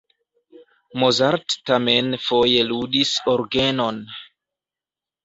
Mozart tamen foje ludis orgenon.